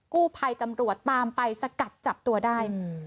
กู้ภัยตำรวจตามไปสกัดจับตัวได้